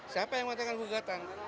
siapa yang mau tanggap gugatan